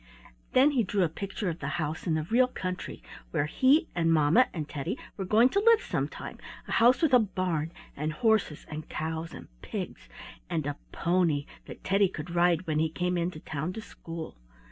Then he drew a picture of the house in the real country where he and mamma and Teddy were going to live some time —a house with a barn, and horses, and cows, and pigs, and a pony that Teddy could ride when he came in to town to school.